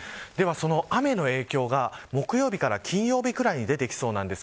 雨の影響が木曜日から金曜日くらいに出てきそうです。